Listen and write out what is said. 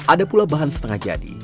ada pula bahan setengah jadi